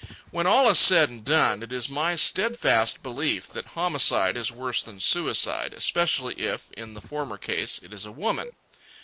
When all is said and done, it is my steadfast belief that homicide is worse than suicide, especially if, in the former case, it is a woman.